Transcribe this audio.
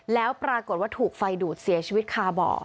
แล้วปรากฏว่าถูกไฟดูดเสียชีวิตคาบ่อ